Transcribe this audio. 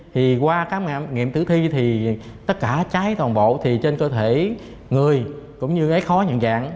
thì qua khám nghiệm tử thi thì tất cả trái toàn bộ thì trên cơ thể người cũng như ấy khó nhận dạng